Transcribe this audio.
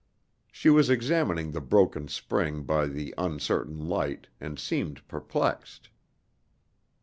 She was examining the broken spring by the uncertain light, and seemed perplexed.